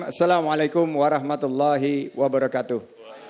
assalamualaikum warahmatullahi wabarakatuh